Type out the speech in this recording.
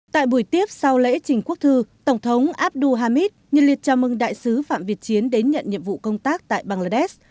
tại buổi tiếp sau lễ trình quốc thư tổng thống abdul hamid nhận liệt chào mừng đại sứ phạm việt chiến đến nhận nhiệm vụ công tác tại bangladesh